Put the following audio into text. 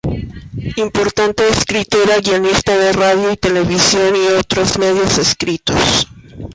Importante escritora, guionista de radio y televisión y otros medios escritos.